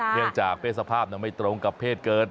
เพียงจากเผชภาพไม่ตรงกับเพศเกิด